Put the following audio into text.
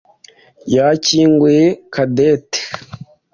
yakinguye Cadette.